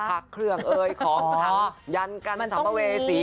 พักเครื่องเอ้ยของของยันคันทรัพมาเว่ศีร